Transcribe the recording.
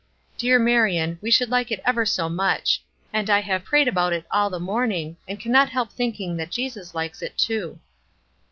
Dear Marion, we should like it ever so much: and I have prayed about it all the morning, and cannot help thinking that Jesus likes it too."